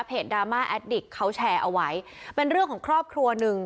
ดราม่าแอดดิกเขาแชร์เอาไว้เป็นเรื่องของครอบครัวหนึ่ง